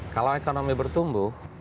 kalau ekonomi bertumbuh